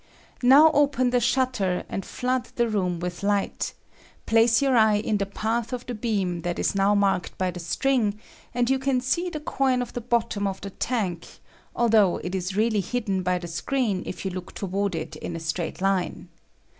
Now open the shutter and flood the room with light ; place your eye in the path of the beam that is now marked by the string and you can see the coin at the bottom of the tank, although it is really hidden by the screen if you look toward it in a straight line.